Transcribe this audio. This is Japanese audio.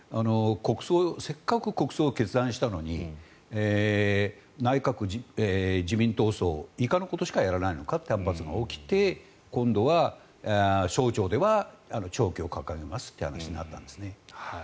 せっかく国葬を決断したのに内閣・自民党葬以下のことしかやらないのかと反発が起きて、今度は省庁では弔旗を掲げますっていう話になったんですね。